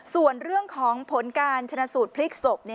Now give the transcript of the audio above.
ส่วนเรื่องของผลการชนะสูตรพลิกศพ